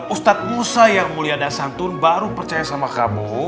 ustadz musa yang mulia dasantun baru percaya sama kamu